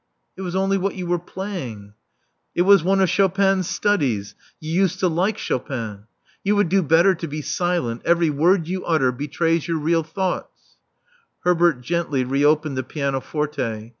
"It was only what you were playing *' "I was one of Chopin *s studies. You used to like Chopin. You would do better to be silent: every word you utter betrays your real thoughts.*' Herbert gently re opened the pianoforte.